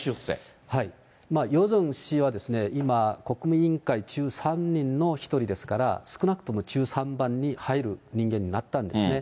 ヨジョン氏は、今、国務委員会中３人のうち１人ですから、少なくとも１３番に入る人間になったんですね。